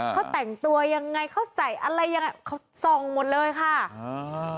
เขาแต่งตัวยังไงเขาใส่อะไรยังไงเขาส่องหมดเลยค่ะอ่า